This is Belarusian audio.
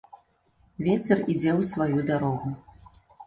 Вецер ідзе ў сваю дарогу.